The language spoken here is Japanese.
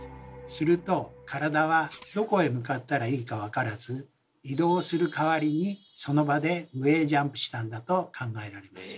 すると体はどこへ向かったらいいかわからず移動する代わりにその場で上へジャンプしたんだと考えられます。